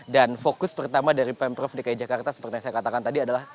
dan fokus pertama dari pemprov dki jakarta seperti yang saya katakan tadi adalah